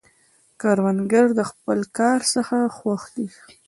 کروندګر د خپل کار څخه خوښ دی